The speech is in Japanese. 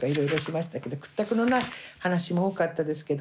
屈託のない話も多かったですけど。